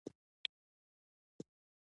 له غني سره د خواخوږۍ له زاويې دوام ورکوم.